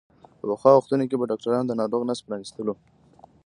په پخوا وختونو کې به ډاکترانو د ناروغ نس پرانستلو.